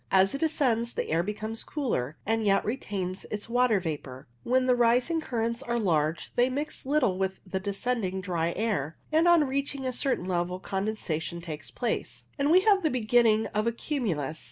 As it ascends the air becomes cooler, and yet retains its water vapour. When the rising currents are large they mix little with the descending dry air, and on reaching a certain level condensation INTERCONVENTION 127 takes place, and we have the beginning of a cumulus.